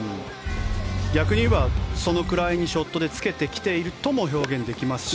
逆に言えばそのくらいにショットでつけてきているとも表現できますし。